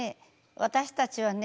私たちはね